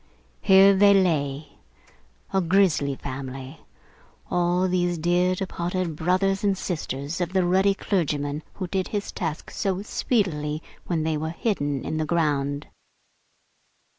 Here they lay, a grisly family, all these dear departed brothers and sisters of the ruddy clergyman who did his task so speedily when they were hidden in the ground!